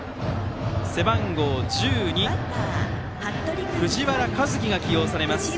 背番号１２、藤原一輝が起用されます。